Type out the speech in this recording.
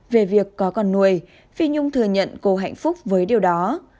về việc có con nuôi phi nhung thừa nhận cô hạnh phúc với điều đó